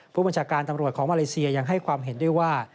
ผู้บัญชาการตำรวจของมาเลเซียยังให้ความเห็นด้วยว่า